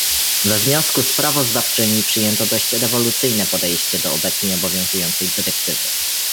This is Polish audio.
We wniosku sprawozdawczyni przyjęto dość rewolucyjne podejście do obecnie obowiązującej dyrektywy